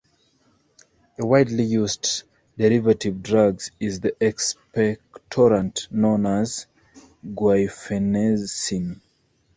A widely used derivative drug is the expectorant known as guaifenesin.